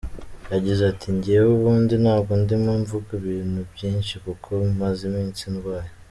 Yagize ati “Njyewe ubundi ntabwo ndimo mvuga ibintu byinshi kuko maze iminsi ndwaye.